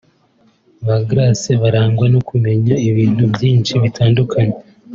Ba Grâce barangwa no kumenya ibintu byinshi bitandukanye